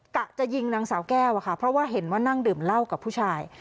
กะจะยิงนางสาวแก้วอะค่ะเพราะว่าเห็นว่านั่งดื่มเหล้ากับผู้ชาย